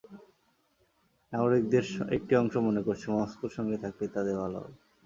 নাগরিকদের একটি অংশ মনে করছে মস্কোর সঙ্গে থাকলেই তাদের ভালো হবে।